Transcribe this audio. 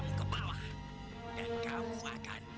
duragan mau hidup sampai pagi